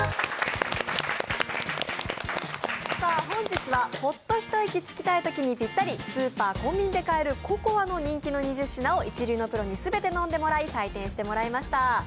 本日はホッと一息つきたいときにぴったりスーパー・コンビニで買えるココアの人気の２０品を一流のプロに全て飲んでもらい採点してもらいました。